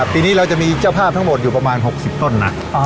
ปีนี้เราจะมีเจ้าภาพทั้งหมดอยู่ประมาณ๖๐ต้นนะ